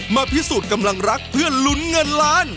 มาพิสูจน์กำลังรักเพื่อลุ้นเงินล้าน